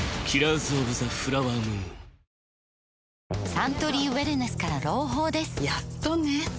サントリーウエルネスから朗報ですやっとね